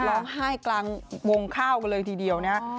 ร้องไห้กลางวงข้าวกันเลยทีเดียวนะฮะ